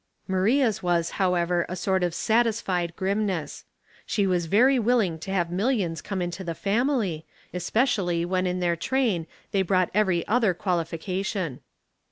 Maria's was, however, a sort of satisfied grim ness. She was very willing to have millions come into the family, especially when in their train they brought every other qualification.